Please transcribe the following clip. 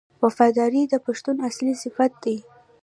وفاداري د پښتون اصلي صفت دی.